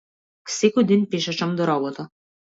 Секој ден пешачам до работа.